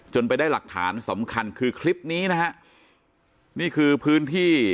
ไปได้หลักฐานสำคัญคือคลิปนี้นะฮะนี่คือพื้นที่